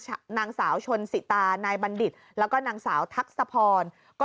นางสาวชนสิตานายบัณฑิตแล้วก็นางสาวทักษะพรก็